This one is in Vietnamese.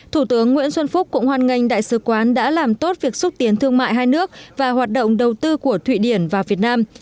thủ tướng nguyễn xuân phúc cũng hoan nghênh đại sứ quán đã làm tốt việc xúc tiến thương mại hai nước và hoạt động đầu tư của thụy điển và việt nam